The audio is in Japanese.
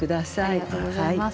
ありがとうございます。